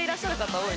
はい！